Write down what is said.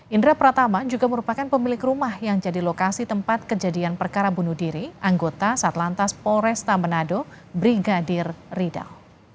indra pratama juga merupakan pemilik rumah yang jadi lokasi tempat kejadian perkara bunuh diri anggota satlantas polresta menado brigadir ridal